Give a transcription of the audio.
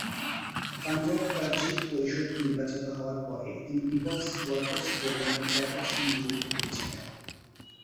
পাঞ্জাব প্রাদেশিক পরিষদে নির্বাচিত হওয়ার পরে তিনি পিপলস ওয়ার্কার্স প্রোগ্রামের চেয়ারপারসন নিযুক্ত হয়েছিলেন।